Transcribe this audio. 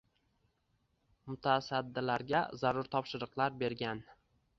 Mutasaddilarga zarur topshiriqlar bergan.